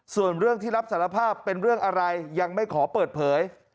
ส่วนเรื่องที่รับสารภาพเป็นเรื่องอะไรยังไม่ขอเปิดเผย